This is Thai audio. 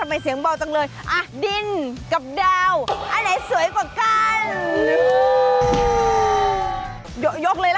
มันเสร็จมาหมดหมดครั้งนี้ฮล่อย